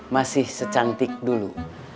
masih secantik dulu